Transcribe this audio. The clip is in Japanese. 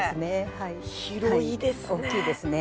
はい大きいですね。